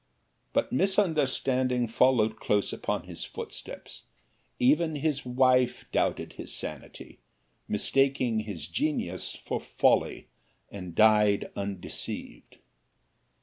But misunderstanding followed close upon his footsteps, even his wife doubted his sanity, mistaking his genius for folly, and died undeceived.